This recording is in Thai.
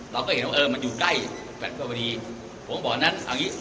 เราก็เห็นว่าเออมันอยู่ใกล้แผ่นประวัติผมก็บอกนั่นอ่ะนี่